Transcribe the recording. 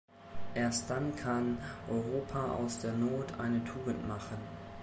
Erst dann kann Europa aus der Not eine Tugend machen.